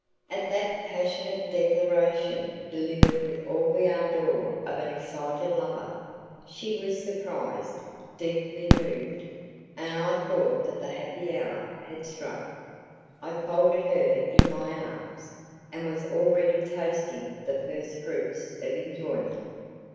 At that passionate declaration, delivered with all the ardour of an excited lover, she was surprised, deeply moved, and I thought that the happy hour had struck. I folded her in my arms, and was already tasting the first fruits of enjoyment.